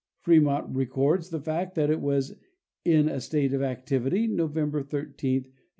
Frémont records the fact that it was "in a state of activity November 13, 1843."